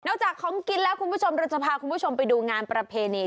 จากของกินแล้วคุณผู้ชมเราจะพาคุณผู้ชมไปดูงานประเพณี